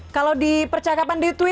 kalau di percakapan di media online